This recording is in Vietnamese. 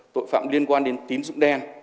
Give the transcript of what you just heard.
tội phạm liên quan đến tín dụng đen